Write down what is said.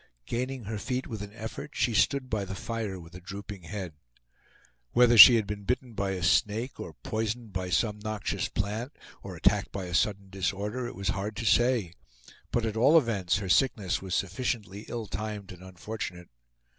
Gaining her feet with an effort she stood by the fire with a drooping head. Whether she had been bitten by a snake or poisoned by some noxious plant or attacked by a sudden disorder, it was hard to say; but at all events her sickness was sufficiently ill timed and unfortunate.